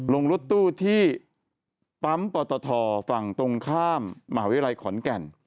ลงรถตู้ที่ปั๊มปตทฝั่งตรงข้ามมหาวิทยาลัยขอนแก่น